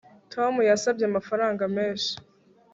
Tom yasabye amafaranga menshi